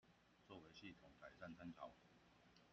作為系統改善參考